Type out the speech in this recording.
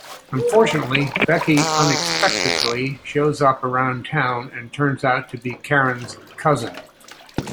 Unfortunately, Becky unexpectedly shows up around town and turns out to be Karen's cousin.